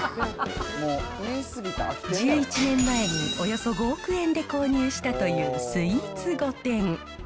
１１年前におよそ５億円で購入したというスイーツ御殿。